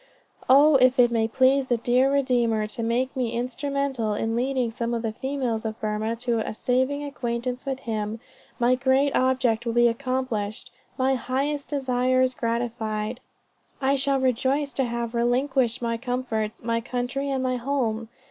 "Oh, if it may please the dear Redeemer to make me instrumental of leading some of the females of Burmah to a saving acquaintance with Him, my great object will be accomplished, my highest desires gratified, I shall rejoice to have relinquished my comforts, my country and my home."